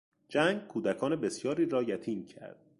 جنگ کودکان بسیاری را یتیم کرد.